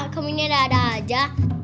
kamu ini ada ada aja